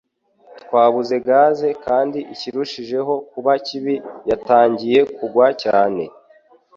Twabuze gaze kandi ikirushijeho kuba kibi yatangiye kugwa cyane